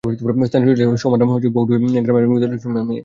স্থানীয় সূত্রে জানা যায়, সুমনা বৌডুবি গ্রামের মৃত নূরুল ইসলামের মেয়ে।